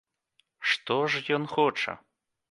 Што ж ён хоча?